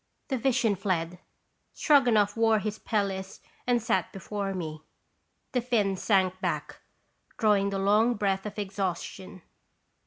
The vision fled. Stroganoff wore his pelisse and sat before me. The Finn sank back, drawing the long breath of exhaustion.